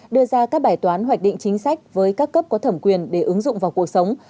đưa ra các bài toán hoạch định chính sách với các cấp có thẩm quyền để ứng dụng vào cuộc sống